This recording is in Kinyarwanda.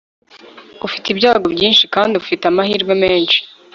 ufite ibyago byinshi kandi ufite amahirwe meshi